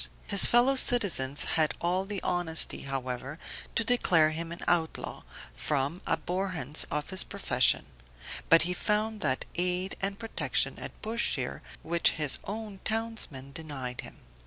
His fellow citizens had all the honesty, however, to declare him an outlaw, from abhorrence of his profession; but he found that aid and protection at Bushire, which his own townsmen denied him.